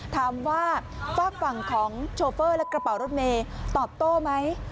ฝากฝั่งของโชเฟอร์และกระเป๋ารถเมย์ตอบโต้ไหม